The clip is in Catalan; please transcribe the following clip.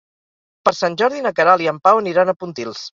Per Sant Jordi na Queralt i en Pau aniran a Pontils.